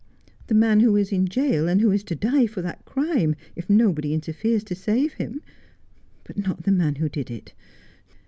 ' The man who is in gaol, and who is to die for that crime if nobody interferes to save him ; but not the man who did it.